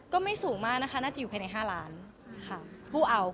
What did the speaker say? ก็ไม่สูงมากนะคะน่าจะอยู่ไปถ้างั้น๕ล้าน